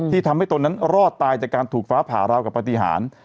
ทำให้ตนนั้นรอดตายจากการถูกฟ้าผ่าราวกับปฏิหาร